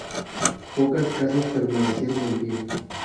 Pocas casas permanecieron en pie.